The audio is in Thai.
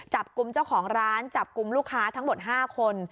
จับกลุ่มเจ้าของร้านจับกลุ่มลูกค้าทั้งหมด๕คน